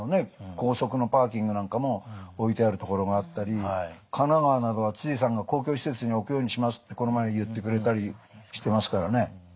高速のパーキングなんかも置いてある所があったり神奈川などは知事さんが公共施設に置くようにしますってこの前言ってくれたりしてますからね。